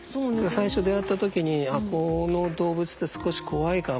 最初出会った時に「あっこの動物って少し怖いかも」。